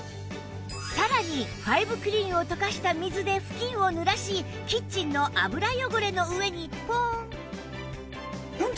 さらにファイブクリーンを溶かした水で布巾をぬらしキッチンの油汚れの上にポン！